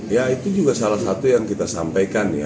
ya itu juga salah satu yang kita sampaikan ya